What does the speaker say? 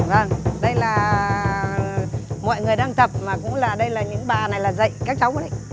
vâng đây là mọi người đang tập mà cũng là đây là những bà này là dạy các cháu đấy